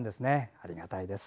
ありがたいです。